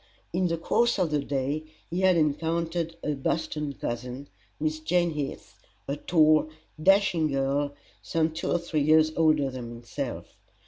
In the course of the day he had encountered a Boston cousin, Miss Jane Heath, a tall, dashing girl, some two or three years older than himself.